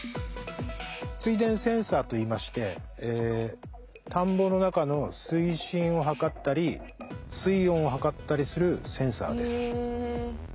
水田センサーといいまして田んぼの中の水深を測ったり水温を測ったりするセンサーです。